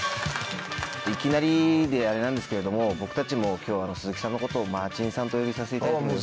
いきなりであれなんですけれども僕たちも今日は鈴木さんのことをマーチンさんとお呼びさせていただいても？